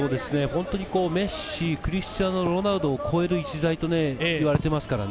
メッシ、クリスティアーノ・ロナウドを超える逸材といわれています。